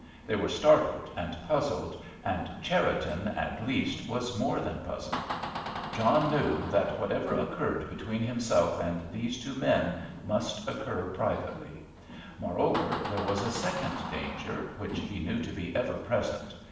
They were startled and puzzled, and Cherriton, at least, was more than puzzled. John knew that whatever occurred between himself and these two men must occur privately. Moreover, there was a second danger, which he knew to be ever present.